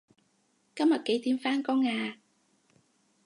今日幾點返工啊